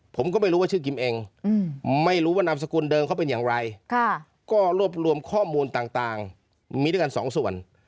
ผมก็ไม่รู้ว่าชื่อกิมเองไม่รู้ว่านามสกุลเดิมเขาเป็นอย่างไรก็รวบรวมข้อมูลต่างมีด้วยกันสองส่วน